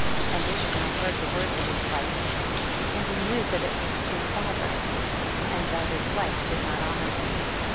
35. And Ishmael heard the words of his wife, and he knew that it was his father, and that his wife did not honor him.